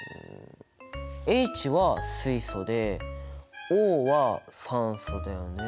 Ｈは水素でＯは酸素だよね。